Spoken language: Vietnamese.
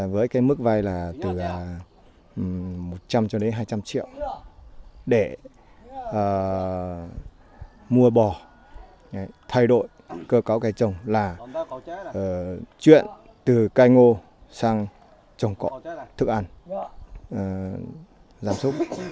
với cái mức vay là từ một trăm linh cho đến hai trăm linh triệu để mua bò thay đổi cơ cấu cây trồng là chuyện từ cây ngô sang trồng cỏ thức ăn giảm súc